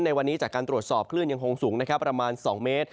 ในวันนี้จากการตรวจสอบคลื่นยังคงสูงนะครับประมาณ๒เมตร